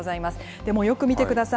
でもよく見てください。